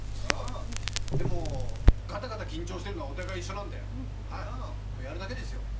でも、緊張してるのはお互い一緒なのでやるだけですよ。